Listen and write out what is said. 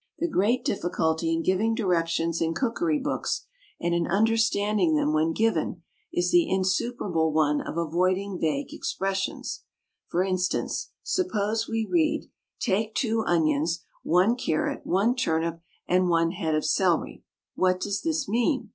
The great difficulty in giving directions in cookery books, and in understanding them when given, is the insuperable one of avoiding vague expressions. For instance, suppose we read, "Take two onions, one carrot, one turnip, and one head of celery," what does this mean?